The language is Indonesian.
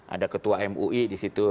ada ketua mui di situ